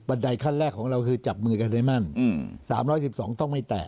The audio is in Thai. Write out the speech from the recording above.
ไดขั้นแรกของเราคือจับมือกันได้มั่น๓๑๒ต้องไม่แตะ